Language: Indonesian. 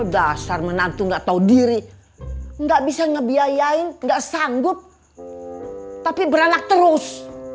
dasar menantu nggak tahu diri enggak bisa ngebiayain enggak sanggup tapi beranak terus